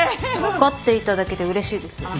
分かっていただけてうれしいです。